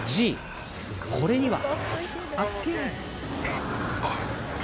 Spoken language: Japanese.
これには。